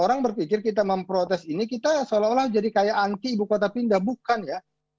orang berpikir kita memprotes ini kita seolah olah jadi kayak anti ibu kota pindah bukan ya